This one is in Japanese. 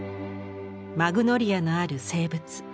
「マグノリアのある静物」。